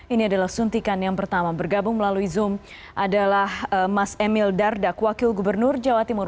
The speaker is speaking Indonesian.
ini adalah suntikan yang pertama bergabung melalui zoom adalah mas emil dardak wakil gubernur jawa timur